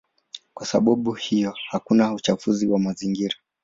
Kwa sababu hiyo hakuna uchafuzi wa mazingira.